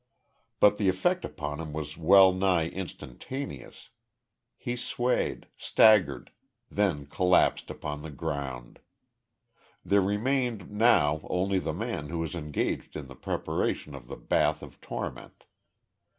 But the effect upon him was well nigh instantaneous. He swayed, staggered, then collapsed upon the ground. There remained now only the man who was engaged in the preparation of the bath of torment.